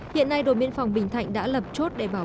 hiện nay đội biên phòng bình thạnh đã lập chốt đề bảo